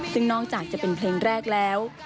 ซึ่งนอกจากจะเป็นเพลงแรกแล้ว